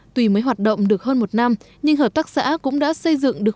tuy mới hoạt động được hơn một năm nhưng hợp tác xã cũng đã xây dựng được